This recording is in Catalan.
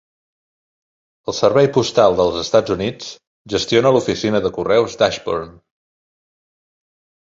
El Servei postal del Estats Units gestiona l'oficina de correus d'Ashburn.